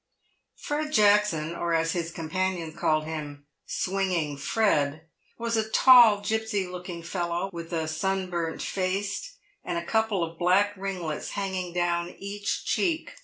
Fred Jackson, or, as his companions called him, Swinging Fred, was a tall, gipsy looking fellow, with a sunburnt face and a couple of black ringlets hanging down each cheek.